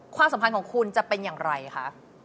ความสัมพันธ์ของคุณจะเป็นอย่างไรคะ